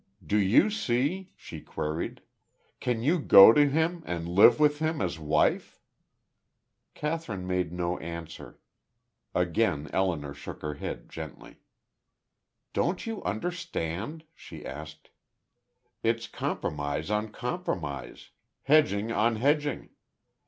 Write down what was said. "Do you see?" she queried. "Can you go to him, and live with him, as wife?" Kathryn made no answer. Again Elinor shook her head, gently. "Don't you understand," she asked. "It's compromise on compromise hedging on hedging.